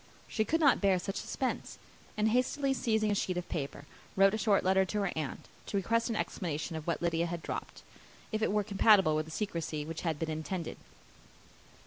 She could not bear such suspense; and hastily seizing a sheet of paper, wrote a short letter to her aunt, to request an explanation of what Lydia had dropped, if it were compatible with the secrecy which had been intended.